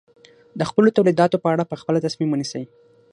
د خپلو تولیداتو په اړه په خپله تصمیم ونیسي.